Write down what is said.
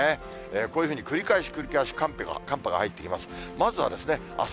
こういうふうに繰り返し繰り返し寒波が入ってきます。